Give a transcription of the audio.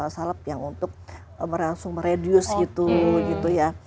salep yang untuk merangsung meredius gitu